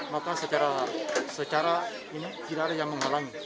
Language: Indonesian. maka secara ini tidak ada yang menghalangi